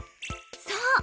そう！